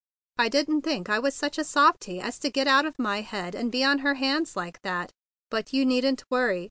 I didn't think I was such a softie as to get out of my head and be on her hands like that. But you needn't worry.